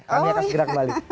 kami akan segera kembali